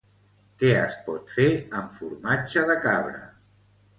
Què es pot fer amb formatge de cabra?